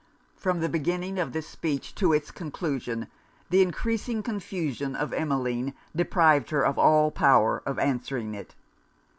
From the beginning of this speech to it's conclusion, the encreasing confusion of Emmeline deprived her of all power of answering it.